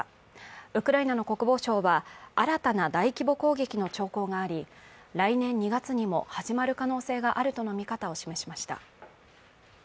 ウクライナの国防相は新たな大規模攻撃の兆候があり、来年２月にも始まる可能性があるとの見方を示しました。